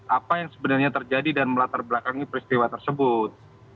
apa yang sebenarnya terjadi dan melatar belakangi peristiwa tersebut